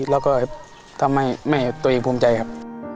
แล้วก็ทำให้แม่ตัวเองภูมิใจครับ